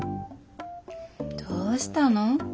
どうしたの？